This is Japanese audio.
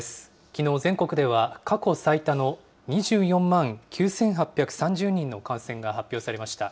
きのう全国では、過去最多の２４万９８３０人の感染が発表されました。